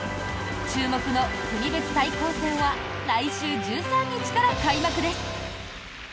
注目の国別対抗戦は来週１３日から開幕です。